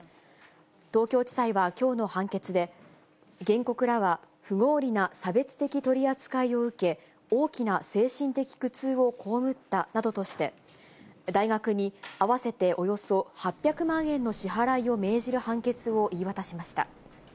東京地裁はきょうの判決で、原告らは不合理な差別的取り扱いを受け、大きな精神的苦痛を被ったなどとして、大学に合わせておよそ８００万円の支払いを命じる判決を言い渡しました。